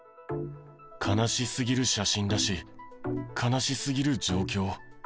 悲しすぎる写真だし、悲しすぎる状況。